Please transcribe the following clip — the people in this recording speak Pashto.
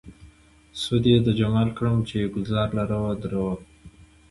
سود يې د جمال کړم، چې ګلزار لره ودرومم